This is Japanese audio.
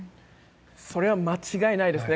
それは間違いないですね。